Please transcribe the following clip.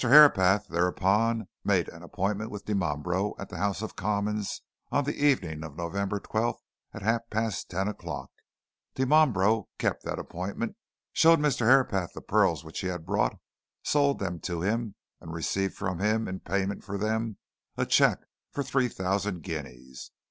Herapath thereupon made an appointment with Dimambro at the House of Commons on the evening of November 12th at half past ten o'clock. Dimambro kept that appointment, showed Mr. Herapath the pearls which he had brought, sold them to him, and received from him, in payment for them, a cheque for three thousand guineas.